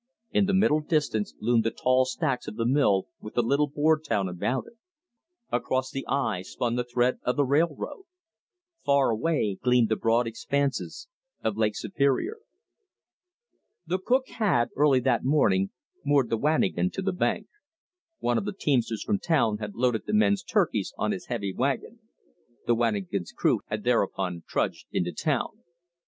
In the middle distance loomed the tall stacks of the mill with the little board town about it. Across the eye spun the thread of the railroad. Far away gleamed the broad expanses of Lake Superior. The cook had, early that morning, moored the wanigan to the bank. One of the teamsters from town had loaded the men's "turkeys" on his heavy wagon. The wanigan's crew had thereupon trudged into town.